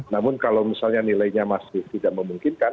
namun kalau misalnya nilainya masih tidak memungkinkan